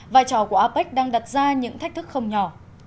vai trò của apec đang đặt ra những thách thức không nhỏ